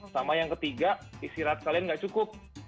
sama yang ketiga istirahat kalian nggak cukup